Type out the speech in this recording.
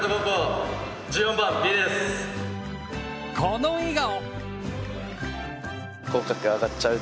この笑顔！